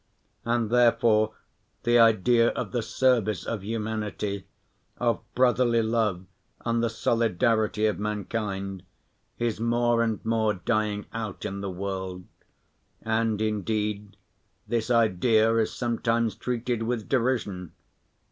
And therefore the idea of the service of humanity, of brotherly love and the solidarity of mankind, is more and more dying out in the world, and indeed this idea is sometimes treated with derision.